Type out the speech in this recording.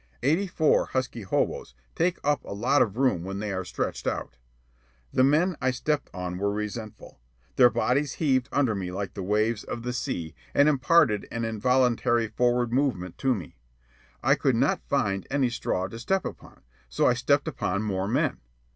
Eighty four husky hoboes take up a lot of room when they are stretched out. The men I stepped on were resentful. Their bodies heaved under me like the waves of the sea, and imparted an involuntary forward movement to me. I could not find any straw to step upon, so I stepped upon more men.